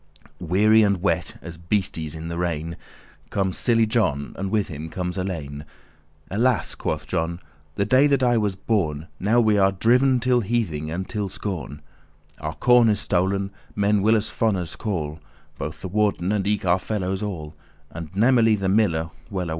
Weary and wet, as beastes in the rain, Comes silly John, and with him comes Alein. "Alas," quoth John, "the day that I was born! Now are we driv'n till hething* and till scorn. *mockery Our corn is stol'n, men will us fonnes* call, *fools Both the warden, and eke our fellows all, And namely* the miller, well away!"